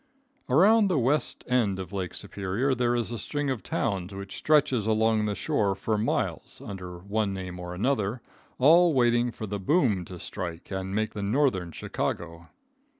Around the west end of Lake Superior there is a string of towns which stretches along the shore for miles under one name or another, all waiting for the boom to strike and make the northern Chicago.